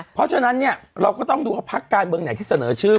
เพราะฉะนั้นเนี่ยเราก็ต้องดูว่าพักการเมืองไหนที่เสนอชื่อ